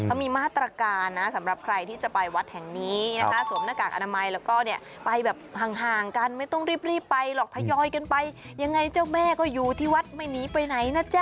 เขามีมาตรการนะสำหรับใครที่จะไปวัดแห่งนี้นะคะสวมหน้ากากอนามัยแล้วก็เนี่ยไปแบบห่างกันไม่ต้องรีบไปหรอกทยอยกันไปยังไงเจ้าแม่ก็อยู่ที่วัดไม่หนีไปไหนนะจ๊ะ